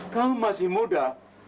kau masih muda